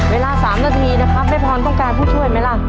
เวลา๓นาทีนะครับแม่พรต้องการผู้ช่วยไหมล่ะ